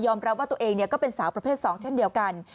รับว่าตัวเองก็เป็นสาวประเภท๒เช่นเดียวกัน